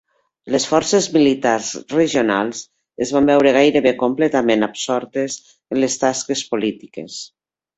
Les forces militars regionals es van veure gairebé completament absortes en les tasques polítiques.